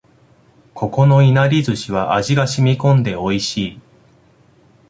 ここのいなり寿司は味が染み込んで美味しい